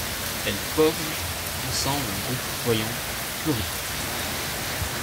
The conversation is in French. Elles forment ensemble un groupe voyant et florifère.